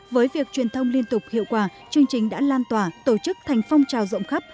với việc truyền thông liên tục hiệu quả chương trình đã lan tỏa tổ chức thành phong trào rộng khắp